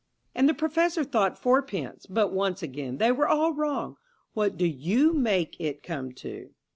and the Professor thought fourpence. But once again they were all wrong. What do you make it come to?